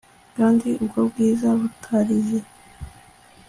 Kandi ubwo bwiza butarize